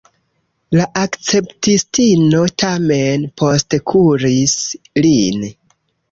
La akceptistino tamen postkuris lin.